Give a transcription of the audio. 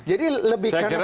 jadi lebih karena fungsi